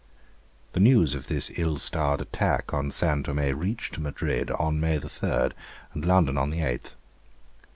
The news of the ill starred attack on San Thomé reached Madrid on May 3, and London on the 8th.